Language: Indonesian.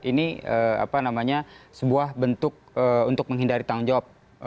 ini apa namanya sebuah bentuk untuk menghindari tanggung jawab